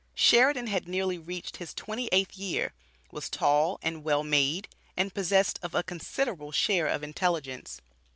Sheridan had nearly reached his twenty eighth year, was tall and well made, and possessed of a considerable share of intelligence.